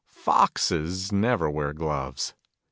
Foxes never wear Gloves